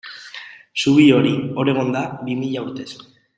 Zubi hori hor egon da bi mila urtez.